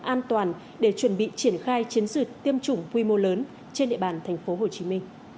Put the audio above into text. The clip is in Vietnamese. an toàn để chuẩn bị triển khai chiến dịch tiêm chủng quy mô lớn trên địa bàn tp hcm